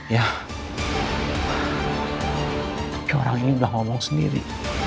tapi orang ini enggak ngomong sendiri